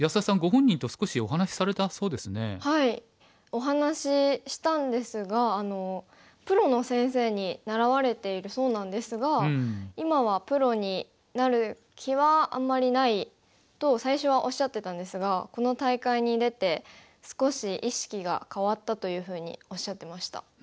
お話ししたんですがプロの先生に習われているそうなんですが今はプロになる気はあんまりないと最初はおっしゃってたんですがこの大会に出て少し意識が変わったというふうにおっしゃってました。